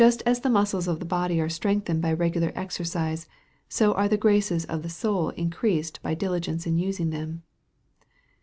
as the muscles of the body are strengthened by regular exercise, so are the graces of the soul increased by dili gence in using them.